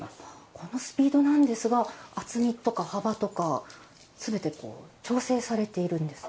このスピードなんですが厚みとか幅とか全て調整されているんですか？